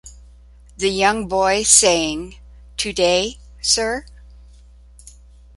The young boy saying, Today, sir?